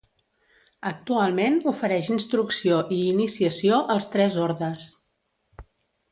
Actualment ofereix instrucció i iniciació als Tres Ordes.